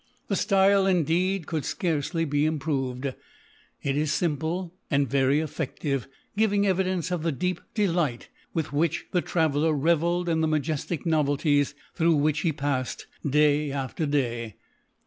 The style, indeed, could scarcely be improved — it is simple and very effective; giving evidence of the deep delight with which the traveller revelled in the majestic novelties through which he passed, day after day.